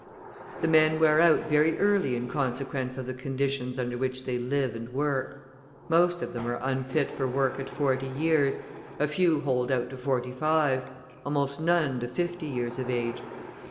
The men wear out very early in consequence of the conditions under which they live and work. Most of them are unfit for work at forty years, a few hold out to forty five, almost none to fifty years of age.